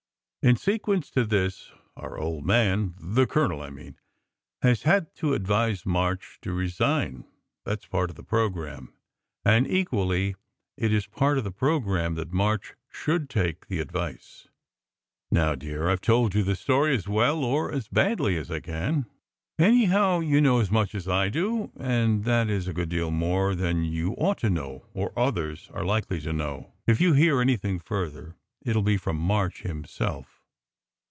In sequence to this our Old Man the colonel, I mean has had to advise March to resign. That s part of the programme. And equally it is part of the programme that March should take the advice. "Now, dear, I ve told you the story as well or as badly as I can. Anyhow, you know as much as I do, and that is a good deal more than you ought to know, or others are likely to know. If you hear anything further, it will be from March himself.